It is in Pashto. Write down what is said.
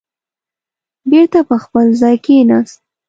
بېرته په خپل ځای کېناست.